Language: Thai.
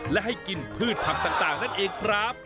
และให้กินพืชผักต่างนั่นเองครับ